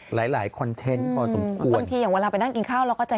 หลายหลายคอนเทนต์พอสมควรบางทีอย่างเวลาไปนั่งกินข้าวเราก็จะ